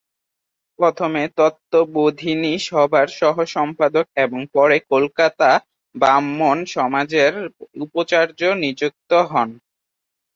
প্রথমে তত্ত্ববোধিনী সভার সহ-সম্পাদক এবং পরে কলকাতা ব্রাহ্মসমাজের উপাচার্য নিযুক্ত হন।